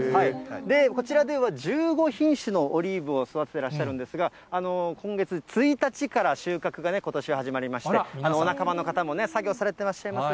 こちらでは、１５品種のオリーブを育ててらっしゃるんですが、今月１日から、収穫が、ことしは始まりまして、お仲間の方も作業されてらっしゃいます。